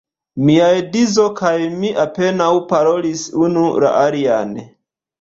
Mia edzo kaj mi apenaŭ parolis unu la alian.